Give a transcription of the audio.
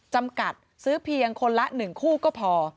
จำกัดซื้อเพียงคนละ๑คู่ก็พอ